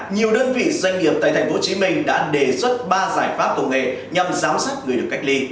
nhiều đơn vị doanh nghiệp tại tp hcm đã đề xuất ba giải pháp công nghệ nhằm giám sát người được cách ly